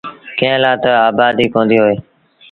ڪݩهݩ لآ تا آبآديٚ ڪونديٚ هوئي۔